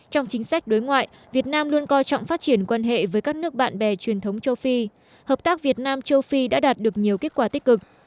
trong chính sách đối ngoại việt nam luôn coi trọng phát triển quan hệ với các nước bạn bè truyền thống châu phi hợp tác việt nam châu phi đã đạt được nhiều kết quả tích cực